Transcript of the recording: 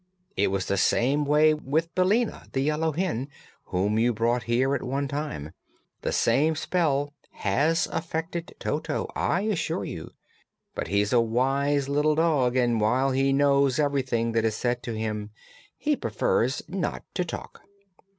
It was the same way with Billina, the Yellow Hen whom you brought here at one time. The same spell has affected Toto, I assure you; but he's a wise little dog and while he knows everything that is said to him he prefers not to talk."